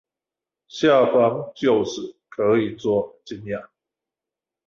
下方臼齒可以做金牙